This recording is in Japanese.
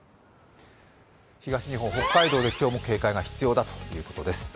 東日本、北海道で警戒が必要ということです。